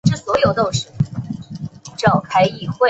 这与汽油的理论比能相媲美。